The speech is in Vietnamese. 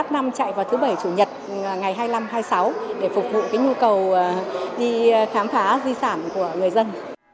chạy vào thứ bảy chủ nhật ngày hai mươi năm hai mươi sáu để phục vụ nhu cầu đi khám phá di sản của người dân